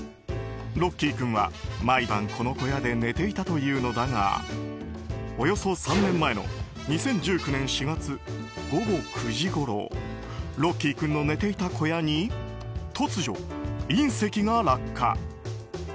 ロッキー君は毎晩この小屋で寝ていたというのだがおよそ３年前の２０１９年４月午後９時ごろロッキー君の寝ていた小屋に突如、隕石が落下。